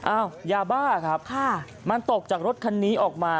อ้าวยาบ้าครับมันตกจากรถคันนี้ออกมา